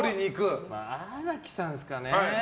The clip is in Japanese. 荒木さんですかね。